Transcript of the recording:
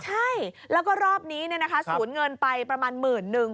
ใช่แล้วก็รอบนี้สูญเงินไปประมาณหมื่นนึง